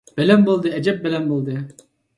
بەلەن بولدى، ئەجەپ بەلەن بولدى!